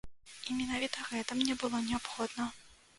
І менавіта гэта мне было неабходна.